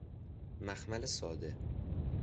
مخمل ساده